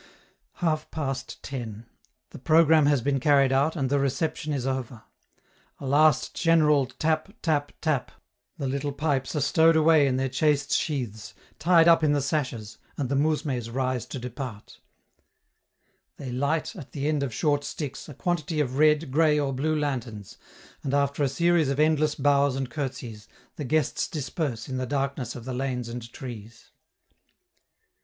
Half past ten! The programme has been carried out, and the reception is over. A last general tap! tap! tap! the little pipes are stowed away in their chased sheaths, tied up in the sashes, and the mousmes rise to depart. They light, at the end of short sticks, a quantity of red, gray, or blue lanterns, and after a series of endless bows and curtseys, the guests disperse in the darkness of the lanes and trees.